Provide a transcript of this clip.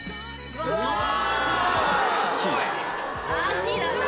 秋だな。